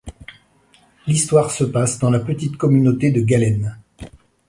L’histoire se passe dans la petite communauté de Galen.